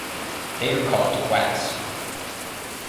They are called quacks.